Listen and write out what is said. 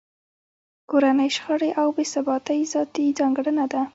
کورنۍ شخړې او بې ثباتۍ ذاتي ځانګړنه ده.